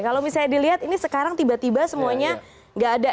kalau misalnya dilihat ini sekarang tiba tiba semuanya nggak ada